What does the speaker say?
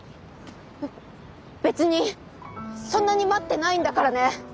べ別にそんなに待ってないんだからね。